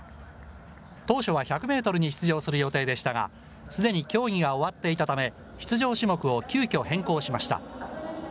当初は１００メートルに出場する予定でしたが、すでに競技が終わっていたため、出場種目を急きょ変更しました。